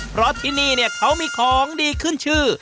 เพราะที่นี่เนี่ยเขามีของดีขึ้นชื่อ